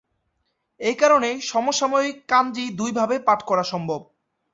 এই কারণে সমসাময়িক কাঞ্জি দুইভাবে পাঠ করা সম্ভব।